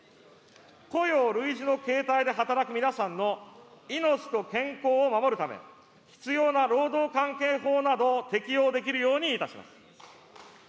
雇用類似の形態で働く皆さんの命と健康を守るため、必要な労働関係法などを適用できるようにいたします。